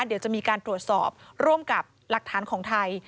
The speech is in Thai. เดี๋ยวจะมีการตรวจสอบร่วมกับหลักฐานของไทย